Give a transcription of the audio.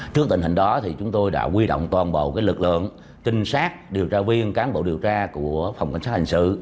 trước tình hình đó chúng tôi đã quy động toàn bộ lực lượng tinh sát điều tra viên cán bộ điều tra của phòng cảnh sát hành sự